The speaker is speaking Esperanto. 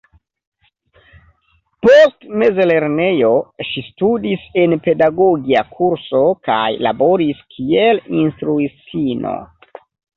Post mezlernejo ŝi studis en pedagogia kurso kaj laboris kiel instruistino.